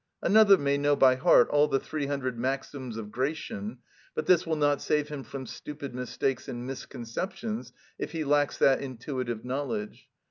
Another may know by heart all the three hundred maxims of Gracian, but this will not save him from stupid mistakes and misconceptions if he lacks that intuitive knowledge.